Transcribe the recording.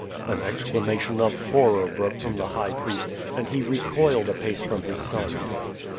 An exclamation of horror broke from the high priest, and he recoiled a pace from his son.